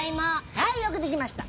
はいよくできました。